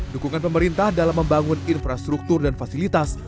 dukungan pemerintah dalam membangun infrastruktur dan fasilitas